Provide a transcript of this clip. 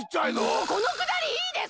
もうこのくだりいいですか！